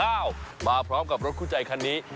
ร้านยุงข้าวมาพร้อมกับรถคู่ใจคันนี้